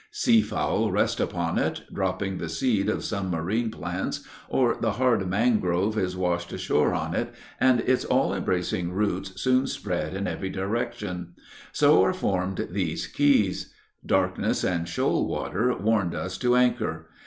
Sea fowl rest upon it, dropping the seed of some marine plants, or the hard mangrove is washed ashore on it, and its all embracing roots soon spread in every direction; so are formed these keys. Darkness and shoal water warned us to anchor.